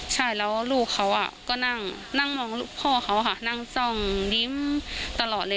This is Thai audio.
ใช่แล้วลูกเขาก็นั่งมองพ่อเขาค่ะนั่งซ่องยิ้มตลอดเลย